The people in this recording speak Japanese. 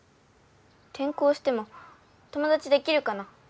転校しても友だちできるかな？